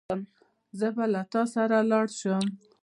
زه به له تا سره لاړ شم.